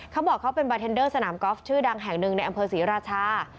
เขาบอกเขาเป็นบาร์เทนเดอร์สนามกอล์ฟชื่อดังแห่งหนึ่งในอำเภอศรีราชา